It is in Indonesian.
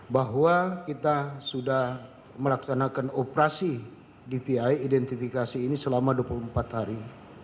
bahwa kita sudah melaksanakan operasi dpi identifikasi ini selama dua puluh empat hari